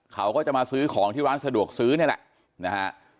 เขาก็จะมาซื้อของที่ร้านสะดวกซื้อนี่แหละนะฮะ